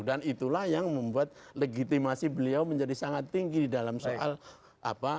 dan itulah yang membuat legitimasi beliau menjadi sangat tinggi dalam soal apa